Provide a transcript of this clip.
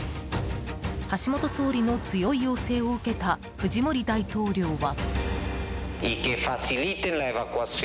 橋本総理の強い要請を受けたフジモリ大統領は。